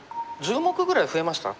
１０目ぐらい増えました？